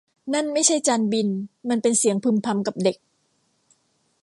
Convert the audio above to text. นั่นไม่ใช่จานบินมันเป็นเสียงพึมพำกับเด็ก